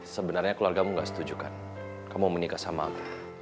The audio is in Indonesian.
sebenarnya keluargamu gak setujukan kamu menikah sama aku